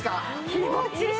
気持ちいい！